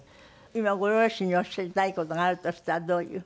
今ご両親におっしゃりたい事があるとしたらどういう？